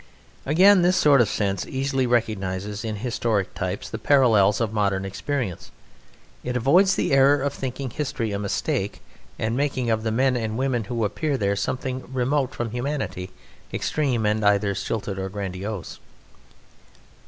Again, this sort of sense easily recognizes in historic types the parallels of modern experience. It avoids the error of thinking history a mistake and making of the men and women who appear there something remote from humanity, extreme, and either stilted or grandiose.